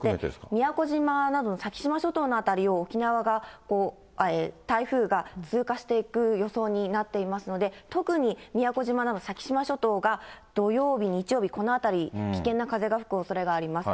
宮古島など、先島諸島の辺りを、沖縄が、台風が通過していく予想になっていますので、特に宮古島など先島諸島が、土曜日、日曜日、このあたり、危険な風が吹くおそれがあります。